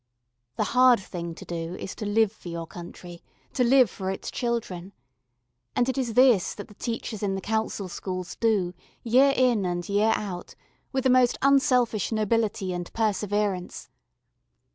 The hard thing to do is to live for your country to live for its children. And it is this that the teachers in the Council Schools do, year in and year out, with the most unselfish nobility and perseverance.